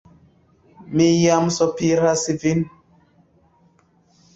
Mi jam sopiras vin!